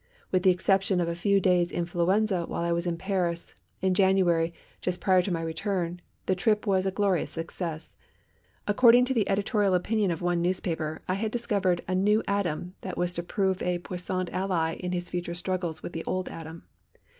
With the exception of a few days' influenza while I was in Paris, in January, just prior to my return, the trip was a glorious success. According to the editorial opinion of one newspaper I had "discovered a new Adam that was to prove a puissant ally in his future struggles with the old Adam."